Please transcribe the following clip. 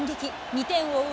２点を追う